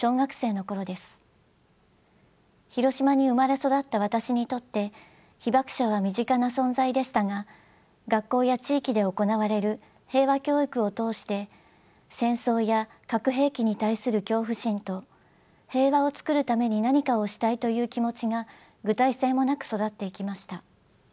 広島に生まれ育った私にとって被爆者は身近な存在でしたが学校や地域で行われる平和教育を通して戦争や核兵器に対する恐怖心と平和を作るために何かをしたいという気持ちが具体性もなく育っていきました。